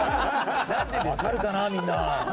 分かるかな、みんな。